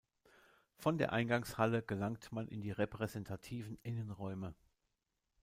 Von der Eingangshalle gelangt man in die repräsentativen Innenräume.